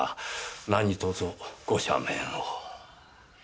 何とぞご赦免を。